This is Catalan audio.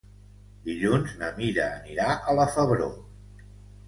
Dilluns na Mira anirà a la Febró.